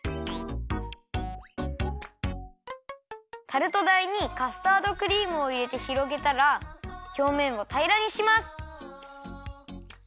タルト台にカスタードクリームをいれてひろげたらひょうめんをたいらにします。